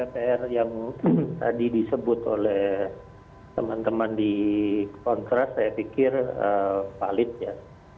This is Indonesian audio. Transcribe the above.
pr yang tadi disebut oleh teman teman di kontras saya pikir valid ya